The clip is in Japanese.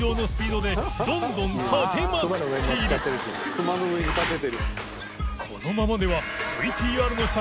熊の上に立ててる。